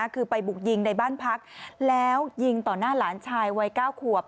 คือไปบุกยิงในบ้านพักแล้วยิงต่อหน้าหลานชายวัย๙ขวบ